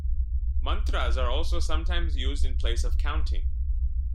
Mantras are also sometimes used in place of counting.